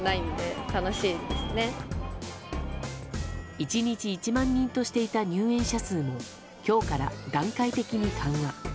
１日１万人としていた入園者数も今日から段階的に緩和。